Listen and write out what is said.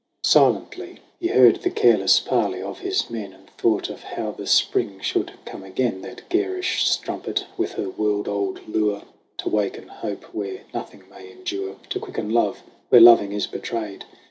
109 no SONG OF HUGH GLASS Silently He heard the careless parley of his men, And thought of how the Spring should come again, That garish strumpet with her world old lure, To waken hope where nothing may endure, To quicken love where loving is betrayed.